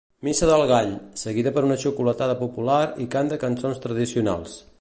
Missa del Gall, seguida per una xocolatada popular i cant de cançons tradicionals.